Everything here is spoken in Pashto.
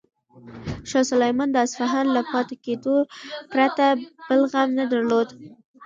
شاه سلیمان د اصفهان له پاتې کېدو پرته بل غم نه درلود.